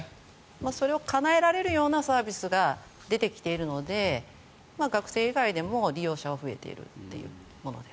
それをかなえられるようなサービスが出てきているので学生以外でも利用者は増えているというものです。